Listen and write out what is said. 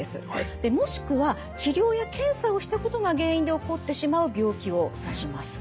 もしくは治療や検査をしたことが原因で起こってしまう病気を指します。